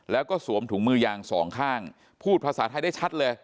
แล้วก็สวมถุงมือยางสองข้างพูดภาษาไทยได้ชัดเลย